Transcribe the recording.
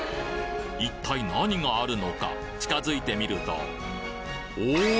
一体何があるのか近づいてみるとおぉ！